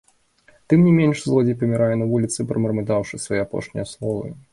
Тым не менш, злодзей памірае на вуліцы, прамармытаўшы свае апошнія словы.